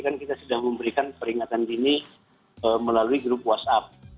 kan kita sudah memberikan peringatan dini melalui grup whatsapp